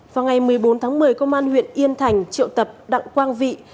vào ngày một mươi bốn tháng một mươi công an huyện yên thành triệu tập đặng quang vị